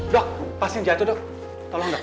dok pasti jatuh dok tolong dok